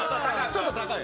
ちょっと高い。